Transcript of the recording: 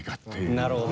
なるほど。